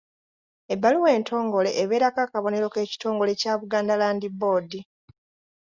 Ebbaluwa entongole ebeerako akabonero k'ekitongole kya Buganda Land Board.